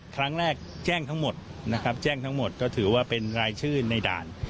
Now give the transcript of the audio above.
ครั้งแรกแจ้งทั้งหมดนะครับแจ้งทั้งหมดก็ถือว่าเป็นรายชื่อในด่าน